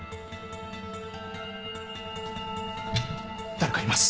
誰かいます。